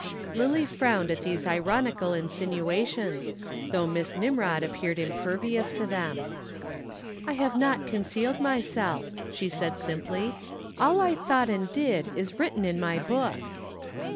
Lillie frowned at these ironical insinuations, though Miss Nimrod appeared impervious to them. "I have not concealed myself," she said simply. "All I thought and did is written in my book."